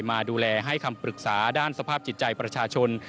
มาดูแลให้คำปรึกษาด้านสภาพจิตใจประชาชน